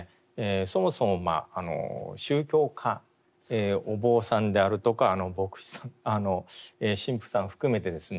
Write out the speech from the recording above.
そもそも宗教家お坊さんであるとか牧師さん神父さん含めてですね